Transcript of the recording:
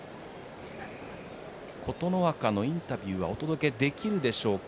琴ノ若のインタビューはお届けできるんでしょうか。